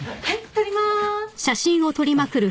撮ります。